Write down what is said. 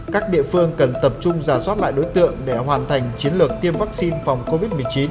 các địa phương cần tập trung giả soát lại đối tượng để hoàn thành chiến lược tiêm vaccine phòng covid một mươi chín